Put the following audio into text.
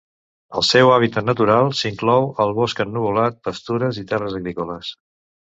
El seu hàbitat natural s'inclou al bosc ennuvolat, pastures i terres agrícoles.